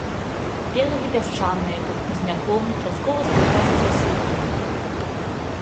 Берагі пясчаныя, пад хмызняком, часткова зліваюцца са схіламі.